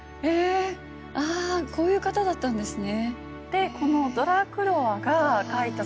あこういう方だったんですね。